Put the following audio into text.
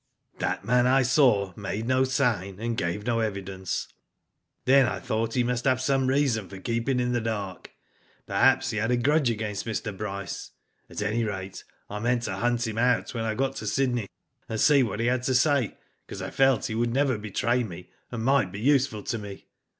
That man I saw made no sign, and gave no evidence. Then I thought he must have some reason for keeping in the dark. Perhaps he had a grudge against Mr. Bryce. At any rate, I meant to hunt him out when I got to Sydney, and see what he had to say, because I felt he would never betray me, and might be useful to me.